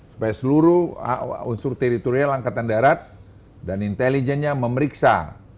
supaya seluruh unsur teritorial angkatan darat dan intelijennya memeriksa